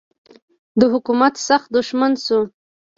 د حکومت سخت دښمن سو.